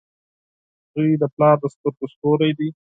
• زوی د پلار د سترګو ستوری وي.